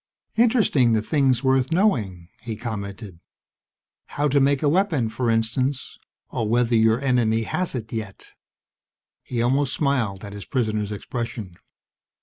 "Interesting, the things worth knowing," he commented. "How to make a weapon, for instance, or whether your enemy has it yet." He almost smiled at his prisoner's expression.